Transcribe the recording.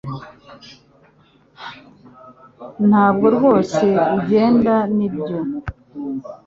Ntabwo rwose ugenda nibyo